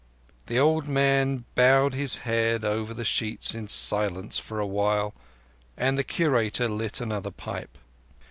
The old man bowed his head over the sheets in silence for a while, and the Curator lit another pipe.